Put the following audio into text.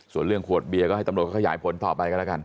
ส่วนเรื่องขวดเบียร์ก็ให้ตำรวจเขาขยายผลต่อไปกันแล้วกัน